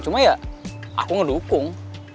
cuma ya aku ngedukung